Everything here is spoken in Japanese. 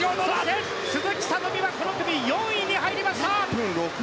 鈴木聡美はこの組４位に入りました！